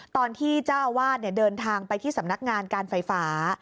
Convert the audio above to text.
ตอนที่เจ้าอาวาสเดินทางไปที่สำนักงานการไฟฟ้า